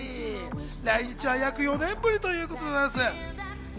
来日は約４年ぶりということです。